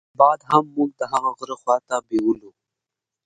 باد هم موږ د هغه غره خواته بېولو.